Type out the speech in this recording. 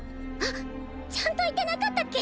ちゃんと言ってなかったっけ？